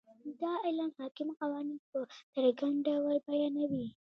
دا علم حاکم قوانین په څرګند ډول بیانوي.